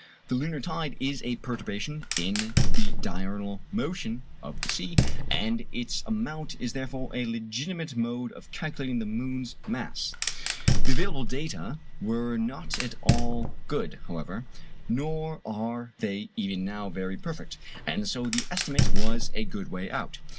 The lunar tide is a perturbation in the diurnal motion of the sea, and its amount is therefore a legitimate mode of calculating the moon's mass. The available data were not at all good, however; nor are they even now very perfect; and so the estimate was a good way out.